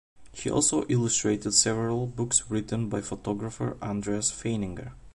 He also illustrated several books written by photographer Andreas Feininger.